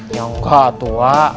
ya nggak tuh wak